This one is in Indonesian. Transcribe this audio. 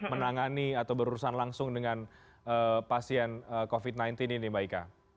menangani atau berurusan langsung dengan pasien covid sembilan belas ini mbak ika